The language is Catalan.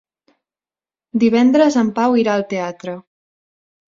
Divendres en Pau irà al teatre.